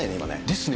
ですね。